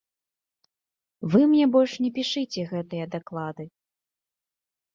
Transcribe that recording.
Вы мне больш не пішыце гэтыя даклады.